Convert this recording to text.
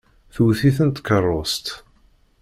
Tewwet-iten tkeṛṛust.